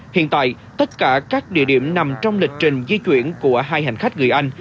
hiện tại tất cả các địa điểm nằm trong lịch trình di chuyển của hai hành khách người anh